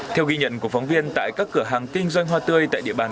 theo ghi nhận của phóng viên tại các cửa hàng kinh doanh hoa tươi tại địa bàn